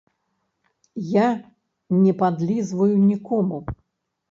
Я не падлізваю нікому!